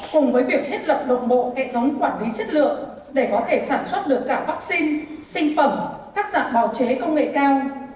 cùng với việc thiết lập đồng bộ hệ thống quản lý chất lượng để có thể sản xuất được cả vaccine sinh phẩm cắt giảm bào chế công nghệ cao